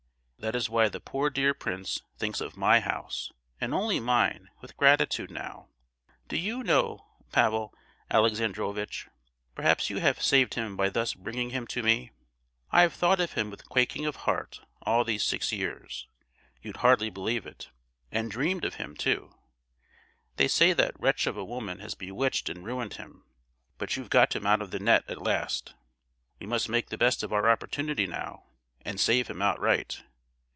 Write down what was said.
That is why the poor dear prince thinks of my house, and only mine, with gratitude, now. Do you know, Pavel Alexandrovitch, perhaps you have saved him by thus bringing him to me? I have thought of him with quaking of heart all these six years—you'd hardly believe it,—and dreamed of him, too. They say that wretch of a woman has bewitched and ruined him; but you've got him out of the net at last. We must make the best of our opportunity now, and save him outright.